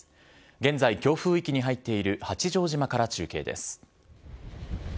現在、強風域に入っている八丈島から中継です。